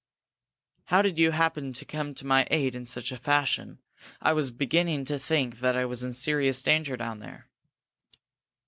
"How did you happen to come to my aid in such a fashion? I was beginning to think that I was in serious danger down there."